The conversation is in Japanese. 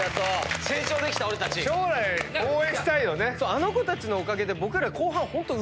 あの子たちのおかげで。